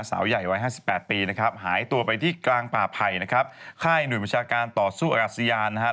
สาวใหญ่วัย๕๘ปีนะครับหายตัวไปที่กลางป่าไผ่นะครับค่ายหนุ่มวิชาการต่อสู้อากาศยานนะฮะ